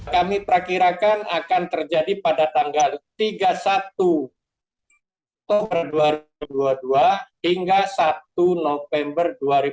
kami perakirakan akan terjadi pada tanggal tiga puluh satu oktober dua ribu dua puluh dua hingga satu november dua ribu dua puluh